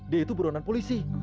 dia itu buronan polisi